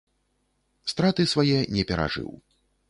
Страты свае не перажыў.